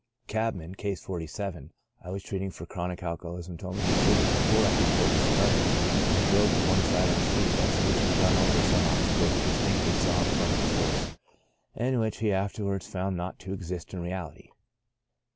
A cabman (Case 47) I was treating for chronic alcoholism told me he frequently pulled up his horse sud denly, or drove to one side of the street, lest he should run over some obstacle he distinctly saw in front of his horse^ and which he afterwards found not to exist in reality.